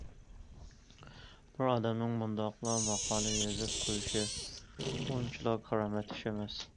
بىر ئادەمنىڭ مۇنداقلا ماقالە يېزىپ قويۇشى ئۇنچىلا كارامەت ئىش ئەمەس.